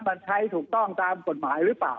มันใช้ถูกต้องตามกฎหมายหรือเปล่า